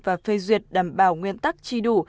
và phê duyệt đảm bảo nguyên tắc chi đủ